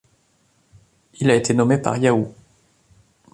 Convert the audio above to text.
Il a été nommé par Yahoo!